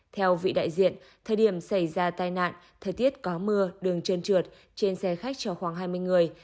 theo vị đại diện thời điểm xảy ra tai nạn thời tiết có mưa đường trơn trượt trên xe khách chở khoảng hai mươi người